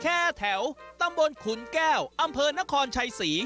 แถวตำบลขุนแก้วอำเภอนครชัยศรี